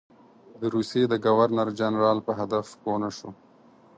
د روسیې د ګورنر جنرال په هدف پوه نه شو.